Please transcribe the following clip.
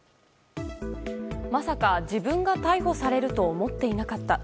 まさか自分が逮捕されると思っていなかった。